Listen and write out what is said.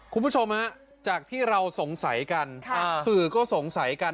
คุณผู้ชมฮะจากที่เราสงสัยกันสื่อก็สงสัยกัน